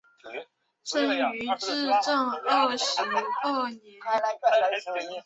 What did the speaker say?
生于至正二十二年。